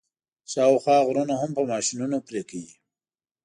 شاوخوا غرونه هم په ماشینونو پرې کوي.